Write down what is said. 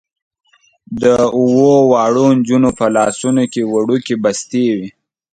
د اوو واړو نجونو په لاسونو کې وړوکې بستې وې.